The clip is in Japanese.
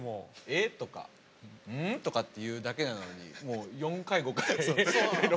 「え？」とか「うん？」とかって言うだけなのにもう４回５回。